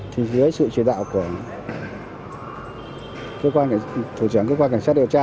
thì dưới sự truyền đạo của thủ trưởng cơ quan cảnh sát điều tra